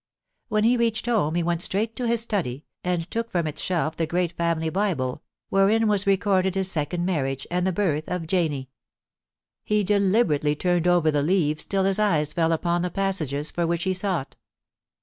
When he reached home, he went straight to his study, and took from its shelf the great family Bible, wherein was recorded his second marriage and the birth of Janie. He deliberately turned over the leaves till his eyes fell upon the passages for which he sought